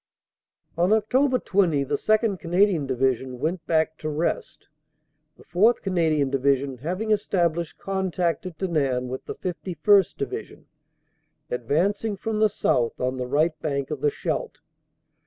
On Oct. 20 the 2nd. Canadian Division went back to rest, the 4th. Canadian Division having established contact at Denain with the 51st. Division, advancing from the south on the right bank of the Scheldt.